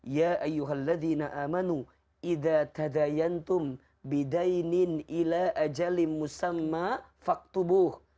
ya ayyuhalladzina amanu idatadayantum bidainin ila ajalim musamma faktubuh